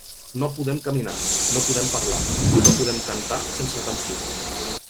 No podem caminar, no podem parlar, no podem cantar sense tensió.